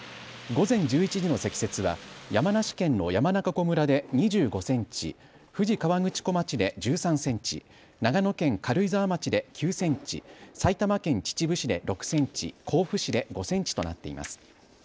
午前１１時の積雪は山梨県の山中湖村で２５センチ、富士河口湖町で１３センチ、長野県軽井沢町で９センチ、埼玉県秩父市で６センチ、甲府市で５センチとなっています。